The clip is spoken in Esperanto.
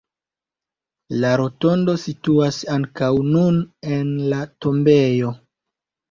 La rotondo situas ankaŭ nun en la tombejo.